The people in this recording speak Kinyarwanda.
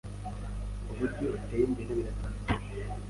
uburyo iteye imbere buratangaje